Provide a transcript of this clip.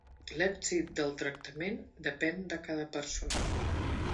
L'èxit del tractament depèn de cada persona.